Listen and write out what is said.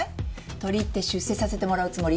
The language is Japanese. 取り入って出世させてもらうつもり？